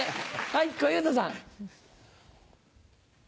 はい小遊三さん。